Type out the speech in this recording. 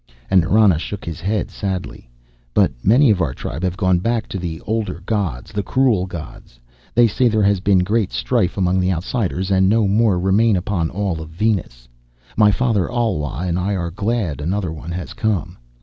And Nrana shook his head sadly, "But many of our tribe have gone back to the older gods, the cruel gods. They say there has been great strife among the outsiders, and no more remain upon all of Venus. My father, Alwa, and I are glad another one has come.